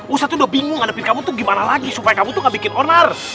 ustadz tuh udah bingung ngadepin kamu tuh gimana lagi supaya kamu tuh gak bikin ornar